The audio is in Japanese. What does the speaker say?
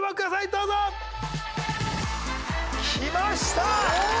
どうぞ。来ました！